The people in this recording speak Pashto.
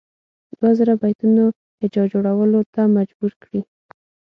دوه زره بیتونو هجا جوړولو ته مجبور کړي.